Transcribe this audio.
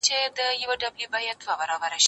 زه به سبا درسونه لوستل کوم!.